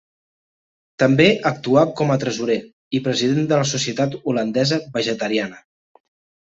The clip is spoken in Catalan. També actuà com a tresorer i president de la Societat Holandesa Vegetariana.